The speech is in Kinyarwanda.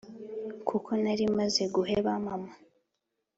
kuko narimaze guheba mama